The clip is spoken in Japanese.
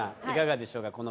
いかがでしょうか？